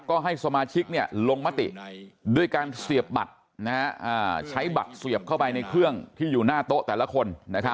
ก็ให้สมาชิกลงมติด้วยการเสียบบัตรใช้บัตรเสียบเข้าไปในเครื่องที่อยู่หน้าโต๊ะแต่ละคน